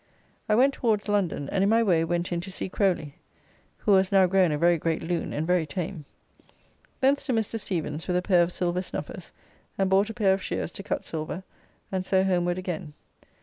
I went towards London, and in my way went in to see Crowly, who was now grown a very great loon and very tame. Thence to Mr. Steven's with a pair of silver snuffers, and bought a pair of shears to cut silver, and so homeward again.